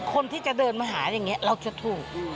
คนที่จะเดินมาหาอย่างนี้เราจะถูก